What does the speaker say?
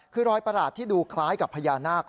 คือรอยประหลาดที่ดูคล้ายกับพญานาค